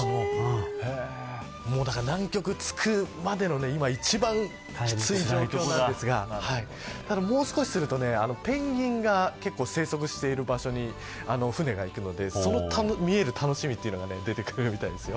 だから南極、着くまでの今、一番つらいところなんですがもう少しするとペンギンが結構生息している場所に船がいくのでそれが見える楽しみというのが出てくるみたいですよ。